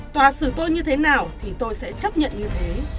tòa xử tôi như thế nào thì tôi sẽ chấp nhận như thế